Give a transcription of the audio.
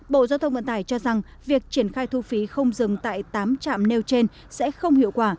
bộ giao thông vận tải cho rằng việc triển khai thu phí không dừng tại tám trạm nêu trên sẽ không hiệu quả